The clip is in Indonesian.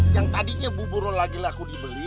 yang tadinya buburnya lagi laku dibeli